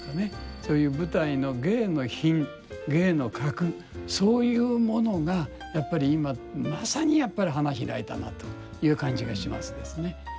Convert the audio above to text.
そういう舞台の芸の品芸の格そういうものがやっぱり今まさにやっぱり花開いたなという感じがしますですね。